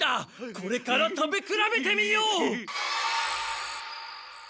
これから食べくらべてみよう！